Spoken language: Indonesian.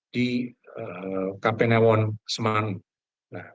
di kpn satu semang